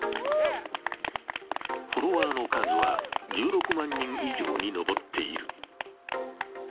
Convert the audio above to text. フォロワーの数は１６万人以上に上っている。